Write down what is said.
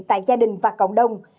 tại gia đình và cộng đồng